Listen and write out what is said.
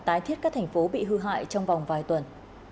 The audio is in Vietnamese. tái thiết các thành phố bị hư hại trong vòng vài tuần